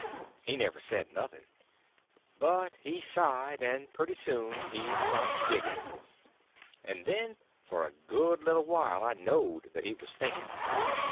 He never said nothing. But he sighed, and pretty soon he stopped digging, and then for a good little while I knowed that he was thinking.